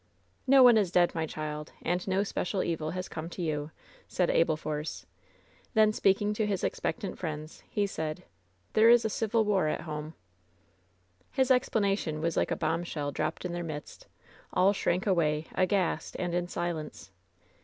"No one is dead, my child. And no special evil has come to you," said Abel Force. Then speaking to his expectant friends, he said: "There is a civil war at home." WHEN SHADOWS DIE 16 explanation was like a bombshell dropped in their midst. All shrank away aghast and in silence.